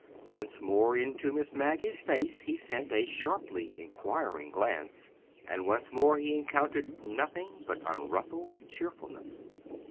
Once more into Miss Maggie's face he sent a sharply inquiring glance, and once more he encountered nothing but unruffled cheerfulness.